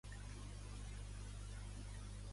Reggae a la cassola’, ‘música porno’.